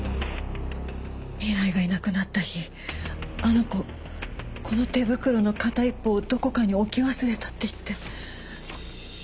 未来がいなくなった日あの子この手袋の片一方をどこかに置き忘れたって言って。